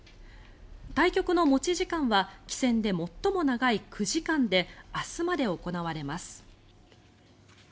対局の持ち時間は棋戦で最も長い９時間で明日まで行われます。